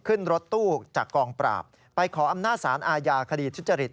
ขึ้นรถตู้จากกองปราบไปขออำนาจสารอาญาคดีทุจริต